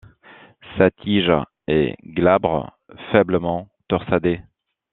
Sa tige est glabre, faiblement torsadée.